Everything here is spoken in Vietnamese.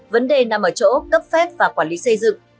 vấn đề nằm ở chỗ cấp phép và quản lý xây dựng